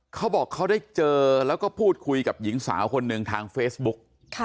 เขาบอกเขาได้เจอแล้วก็พูดคุยกับหญิงสาวคนหนึ่งทางเฟซบุ๊ก